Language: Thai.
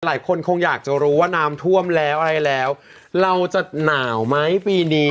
หลายคนคงอยากจะรู้ว่าน้ำท่วมแล้วอะไรแล้วเราจะหนาวไหมปีนี้